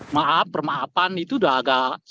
maaf permaafan itu udah agak